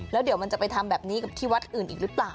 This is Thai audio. แล้วเดี๋ยวมันจะไปทำแบบนี้กับที่วัดอื่นอีกหรือเปล่า